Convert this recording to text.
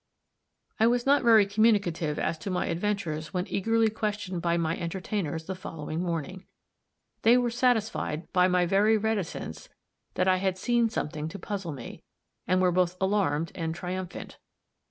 I was not very communicative as to my adventures when eagerly questioned by my entertainers the following morning. They were satisfied, by my very reticence, that I had seen something to puzzle me, and were both alarmed and triumphant.